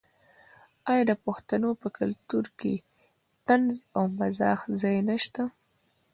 آیا د پښتنو په کلتور کې د طنز او مزاح ځای نشته؟